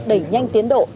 đẩy nhanh tiến độ